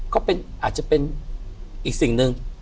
ก็เป็นอาจจะเป็นอีกสิ่งนึง